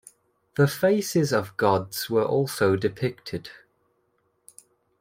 The faces of gods were also depicted.